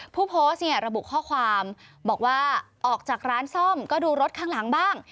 ผู้โพสต์เนี่ยระบุข้อความบอกว่าออกจากร้านซ่อมก็ดูรถข้างหลังบ้าง